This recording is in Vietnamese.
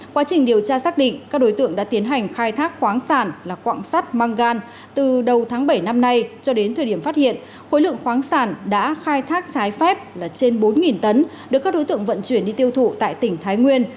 quá trình điều tra xác định các đối tượng đã tiến hành khai thác khoáng sản là quạng sắt măng gan từ đầu tháng bảy năm nay cho đến thời điểm phát hiện khối lượng khoáng sản đã khai thác trái phép là trên bốn tấn được các đối tượng vận chuyển đi tiêu thụ tại tỉnh thái nguyên